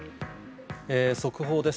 速報です。